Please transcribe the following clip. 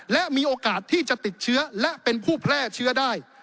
และมีโอกาสที่จะติดเชื้อและเป็นผู้แพร่เชื้อได้